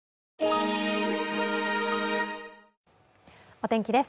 お天気です。